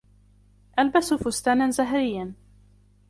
ألبس فستاناً زهري.